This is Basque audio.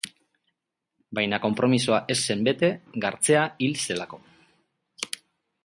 Baina konpromisoa ez zen bete, Gartzea hil zelako.